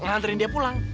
lantarin dia pulang